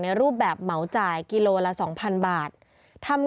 จากนั้นก็จะนำมาพักไว้ที่ห้องพลาสติกไปวางเอาไว้ตามจุดนัดต่าง